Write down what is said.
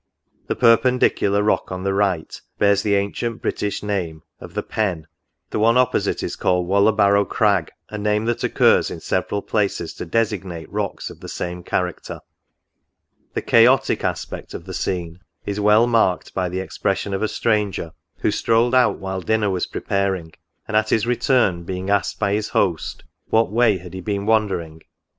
The per pendicular rock on the right bears the ancient British name of The Pen; the one opposite is called Walla barrow Crag, a name that occurs in several places to designate rocks of the same character. The chaotic aspect of the scene is well marked by the expression of a stranger, who strolled out while dinner was preparing, and, at his return, being asked by his host, *' What way he had been wander ing?"